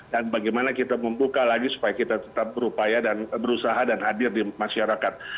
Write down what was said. dan bagaimana kita membuka lagi supaya kita tetap berupaya dan berusaha dan hadir di masyarakat